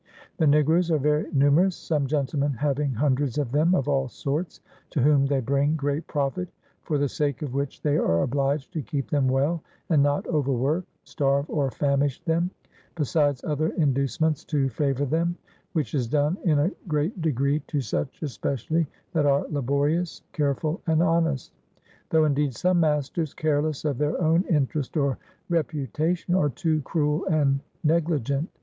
... The Negroes are very numerous, some Gentlemen having Hundreds of them of all Sorts, to whom they bring great Profitt; for the Sake of which they are obliged to keep them well, and not over work, starve or famish them, besides other Inducements to favour them; which is done in a great Degree, to such especially that are laborious, careful and honest; tho' indeed some Masters, careless of their own Interest or Reputation, are too cruel and negligent.